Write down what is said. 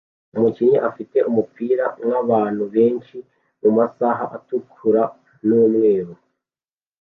Umukinnyi afite umupira nkabantu benshi mumasaha atukura numweru